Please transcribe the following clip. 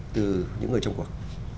từ những người trong quận